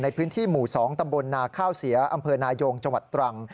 ในพื้นที่หมู่๒ตำบลนาข้าวเสียอำเภอนายงจังหวัดตรัง